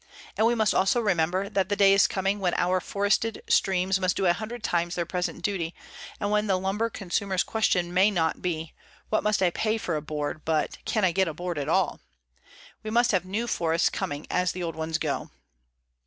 And we must also remember that the day is coming when our forested streams must do a hundred times their present duty, and when the lumber consumer's question may not be "What must I pay for a board?" but "Can I get a board at all?" We must have new forests coming as the old ones go.